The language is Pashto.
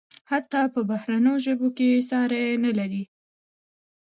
حتی په بهرنیو ژبو کې ساری نلري.